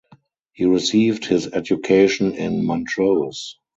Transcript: He received his education in Montrose.